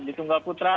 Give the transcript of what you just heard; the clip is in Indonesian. di tunggal putra